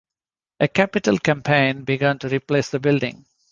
A capital campaign began to replace the building.